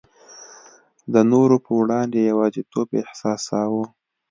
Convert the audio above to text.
د نورو په وړاندي یوازیتوب احساسوو.